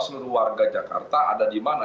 seluruh warga jakarta ada di mana